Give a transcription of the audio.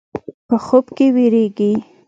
په خوب کې وېرېږي.